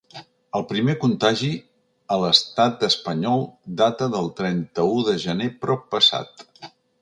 El primer contagi a l’estat espanyol data del trenta-u de gener proppassat.